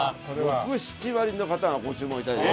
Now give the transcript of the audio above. ６７割の方がご注文頂いて。